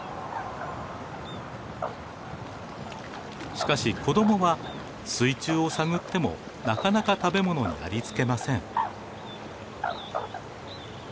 しかし子供は水中を探ってもなかなか食べ物にありつけません。